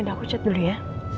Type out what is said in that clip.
ya udah aku cat dulu ya